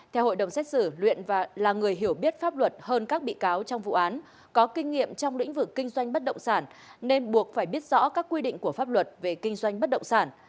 theo hội đồng xét xử luyện và là người hiểu biết pháp luật hơn các bị cáo trong vụ án có kinh nghiệm trong lĩnh vực kinh doanh bất động sản nên buộc phải biết rõ các quy định của pháp luật về kinh doanh bất động sản